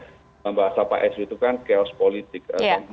dalam bahasa pak sby itu kan chaos politik